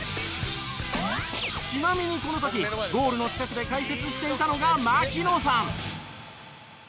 ちなみにこの時ゴールの近くで解説していたのが槙野さん。